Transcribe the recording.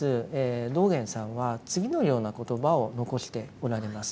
道元さんは次のような言葉を残しておられます。